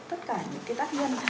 tất cả những cái tác nhân